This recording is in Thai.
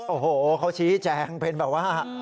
โอ้โหเขาชี้แจงเป็นแบบว่า